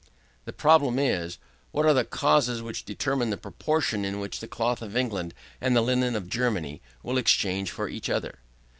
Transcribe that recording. The problem is, what are the causes which determine the proportion in which the cloth of England and the linen of Germany will exchange for each other?